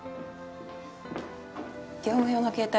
業務用の携帯